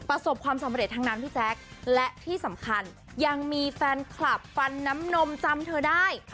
ประสบความสำเร็จทั้งนั้นพี่แจ๊คและที่สำคัญยังมีแฟนคลับฟันน้ำนมจำเธอได้